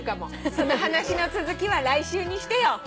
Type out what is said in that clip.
その話の続きは来週にしてよ。